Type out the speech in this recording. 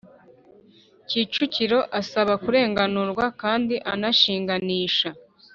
Kicukiro asaba kurenganurwa kandi anishinganisha